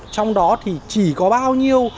trong đó chỉ có bao nhiêu